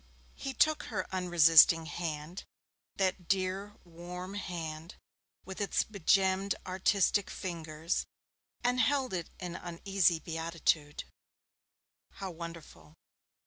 He took her unresisting hand that dear, warm hand, with its begemmed artistic fingers, and held it in uneasy beatitude. How wonderful!